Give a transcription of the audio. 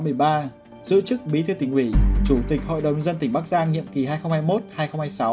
giữ chức bí thư tỉnh ủy chủ tịch hội đồng dân tỉnh bắc giang nhiệm kỳ hai nghìn hai mươi một hai nghìn hai mươi sáu